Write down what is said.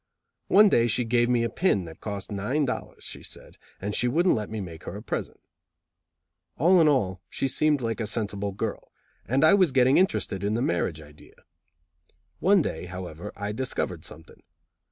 One day she gave me a pin that cost nine dollars, she said, and she wouldn't let me make her a present. All in all, she seemed like a sensible girl, and I was getting interested in the marriage idea. One day, however, I discovered something.